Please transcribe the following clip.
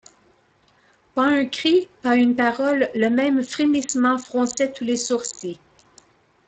Pas un cri, pas une parole, le même frémissement fronçait tous les sourcils.